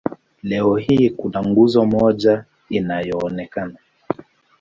Leo hii kuna nguzo moja tu inayoonekana.